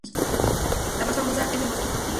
La más famosa es el mosquito tigre.